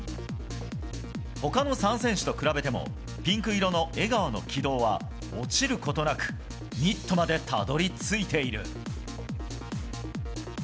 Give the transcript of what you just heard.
他の３選手と比べてもピンク色の江川の軌道は落ちることなくミットまでたどり着いている。